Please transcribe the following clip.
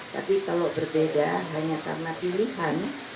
tapi kalau berbeda hanya karena pilihan